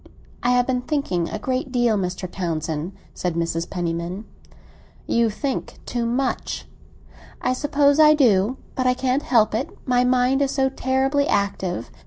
I have been thinking a great deal, Mr. Townsend," said Mrs. Penniman. "You think too much." "I suppose I do; but I can't help it, my mind is so terribly active.